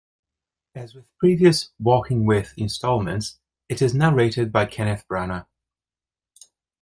As with previous "Walking with..." instalments, it is narrated by Kenneth Branagh.